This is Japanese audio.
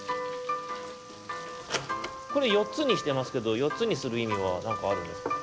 これ４つにしてますけど４つにするいみはなんかあるんですか？